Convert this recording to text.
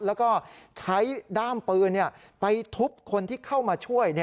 แล้วก็ใช้ด้ามปืนไปทุบคนที่เข้ามาช่วย